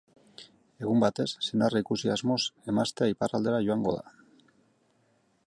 Egun batez, senarra ikusi asmoz emaztea iparraldera joango da.